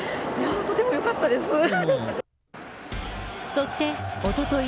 そして、おととい